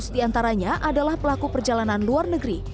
satu enam ratus diantaranya adalah pelaku perjalanan luar negeri